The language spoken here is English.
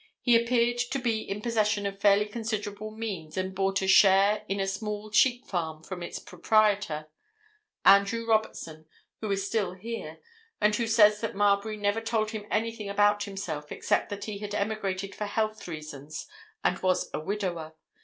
He appeared to be in possession of fairly considerable means and bought a share in a small sheep farm from its proprietor, Andrew Robertson, who is still here, and who says that Marbury never told him anything about himself except that he had emigrated for health reasons and was a widower.